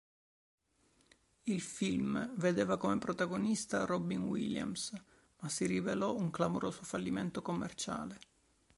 Il film vedeva come protagonista Robin Williams, ma si rivelò un clamoroso fallimento commerciale.